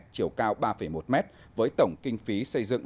chiều cao ba một mét với tổng kinh phí xây dựng